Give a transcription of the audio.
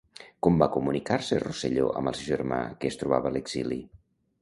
Com va comunicar-se Rosselló amb el seu germà que es trobava a l'exili?